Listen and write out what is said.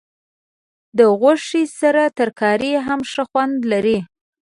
د غوښې سره ترکاري هم ښه خوند لري.